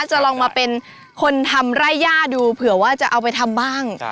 จะลองมาเป็นคนทำไร่ย่าดูเผื่อว่าจะเอาไปทำบ้าง